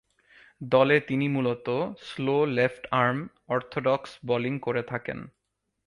দলে তিনি মূলতঃ স্লো লেফট-আর্ম অর্থোডক্স বোলিং করে থাকেন।